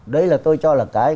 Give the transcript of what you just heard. đấy là tôi cho là cái